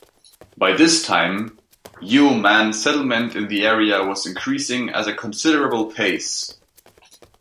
By this time, yeoman settlement in the area was increasing at a considerable pace.